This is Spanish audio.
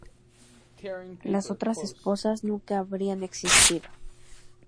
Las otras esposas nunca habrían existido.